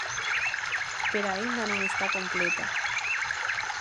Pero aínda non está completa.